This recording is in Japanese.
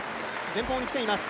前方にきています。